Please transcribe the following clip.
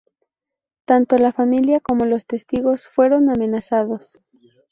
Tanto la familia como los testigos fueron amenazados.